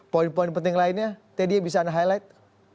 poin poin penting lainnya teddy yang bisa anda highlight